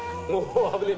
危ねえ。